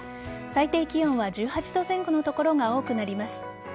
最低気温は１８度前後の所が多くなります。